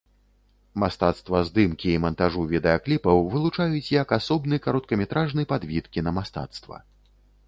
Мастацтва здымкі і мантажу відэакліпаў вылучаюць як асобны кароткаметражны падвід кінамастацтва.